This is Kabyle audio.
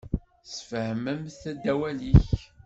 Sefhem-d awal-ik.